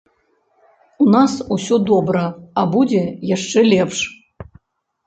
У нас усё добра, а будзе яшчэ лепш!